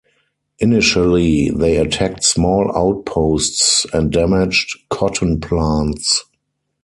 Initially, they attacked small outposts and damaged cotton plants.